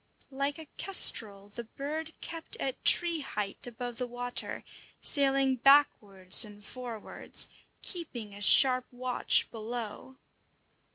Like a kestrel, the bird kept at tree height above the water, sailing backwards and forwards, keeping a sharp watch below.